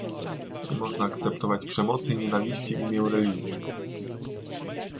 Nie można akceptować przemocy i nienawiści w imię religii